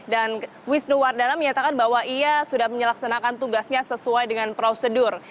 dan wisnu wardana menyatakan bahwa ia sudah menyelaksanakan tugasnya sesuai dengan prosedur